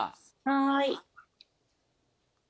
はい。